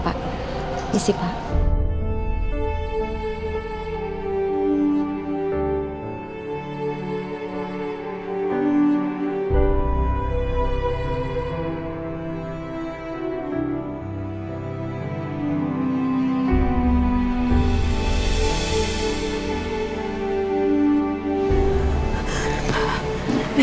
mbak bikinin bubur buat mona ya